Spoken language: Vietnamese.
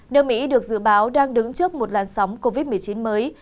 nước mỹ được dự báo đang đứng trước một làn sóng covid một mươi chín mới